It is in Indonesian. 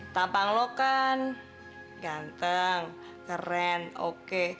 tampang lo kan ganteng keren oke